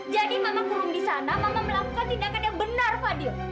jadi mama kurung di sana mama melakukan tindakan yang benar fadil